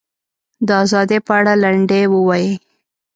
د ازادۍ په اړه لنډۍ ووایي.